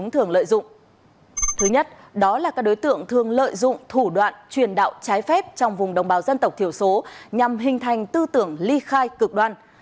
thứ nhất đó là các đối tượng thường lợi dụng thủ đoạn truyền đạo trái phép trong vùng đồng bào dân tộc thiểu số nhằm hình thành tư tưởng ly khai cực đoan